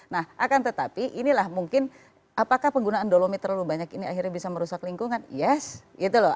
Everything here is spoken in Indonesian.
nah akan tetapi inilah mungkin apakah penggunaan dolomit terlalu banyak ini akhirnya bisa merusak lingkungan yes gitu loh